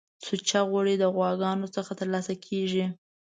سوچه غوړی د غواګانو څخه ترلاسه کیږی